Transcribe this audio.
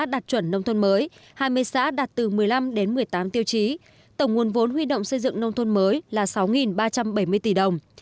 đạt chuẩn nông thôn mới hai mươi xã đạt từ một mươi năm đến một mươi tám tiêu chí tổng nguồn vốn huy động xây dựng nông thôn mới là sáu ba trăm bảy mươi tỷ đồng